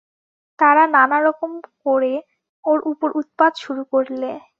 তারা নানা রকম করে ওর উপর উৎপাত শুরু করলে।